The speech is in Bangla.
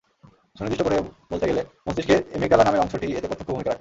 সুনির্দিষ্ট করে বলতে গেলে, মস্তিষ্কের এমিগডালা নামের অংশটিই এতে প্রত্যক্ষ ভূমিকা রাখে।